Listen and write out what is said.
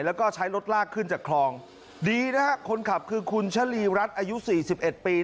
แล้วก็ใช้รถลากขึ้นจากคลองดีนะครับคนขับคือคุณชะลีรัตน์อายุ๔๑ปี